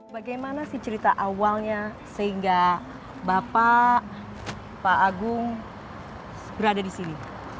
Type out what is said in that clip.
bagaimana sih cerita awalnya sehingga bapak pak agung berada di sini